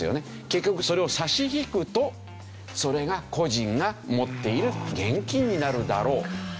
結局それを差し引くとそれが個人が持っている現金になるだろうという。